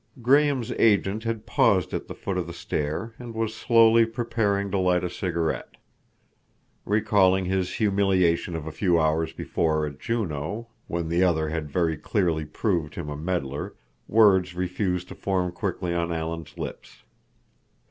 Graham's agent had paused at the foot of the stair and was slowly preparing to light a cigarette. Recalling his humiliation of a few hours before at Juneau, when the other had very clearly proved him a meddler, words refused to form quickly on Alan's lips.